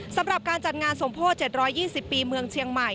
สำหรับการจัดงานสมโพธิ๗๒๐ปีเมืองเชียงใหม่